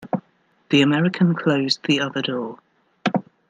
The American closed the other door.